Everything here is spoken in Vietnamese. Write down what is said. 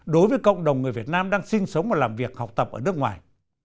đối với cộng đồng người việt nam đang sinh sống và làm việc học tập ở nước ngoài